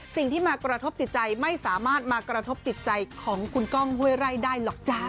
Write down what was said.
สิ่งที่มากระทบจิตใจไม่สามารถมากระทบจิตใจของคุณก้องห้วยไร่ได้หรอกจ้า